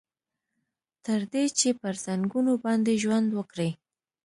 تر دې چې پر ځنګنونو باندې ژوند وکړي.